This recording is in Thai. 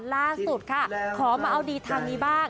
ล่าสุดค่ะขอมาเอาดีทางนี้บ้าง